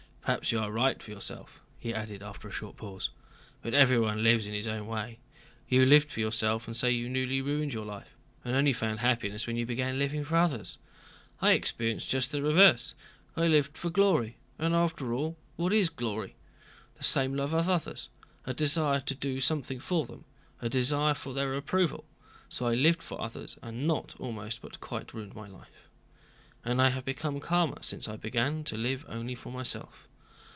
"Perhaps you are right for yourself," he added after a short pause, "but everyone lives in his own way. You lived for yourself and say you nearly ruined your life and only found happiness when you began living for others. I experienced just the reverse. I lived for glory.—And after all what is glory? The same love of others, a desire to do something for them, a desire for their approval.—So I lived for others, and not almost, but quite, ruined my life. And I have become calmer since I began to live only for myself."